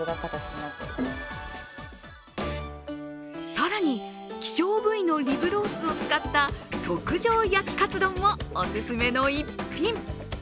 更に、希少部位のリブロースを使った特上焼きカツ丼もおすすめの逸品。